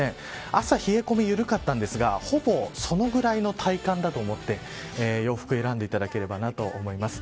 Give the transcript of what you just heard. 朝、冷え込み緩かったんですがほぼそのぐらいの体感だと思って洋服を選んでいただければと思います。